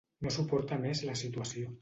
No suporta més la situació.